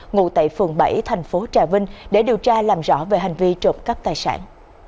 ngụ tại phường bảy thành phố trà vinh để điều tra làm rõ về hành vi trộm cắp tài sản